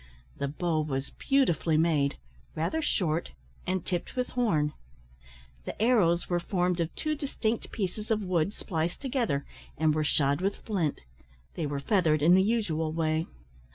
The bow was beautifully made; rather short, and tipped with horn. The arrows were formed of two distinct pieces of wood spliced together, and were shod with flint; they were feathered in the usual way.